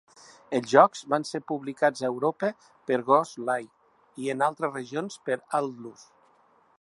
Els jocs van ser publicats a Europa per Ghostlight i en altres regions per Atlus.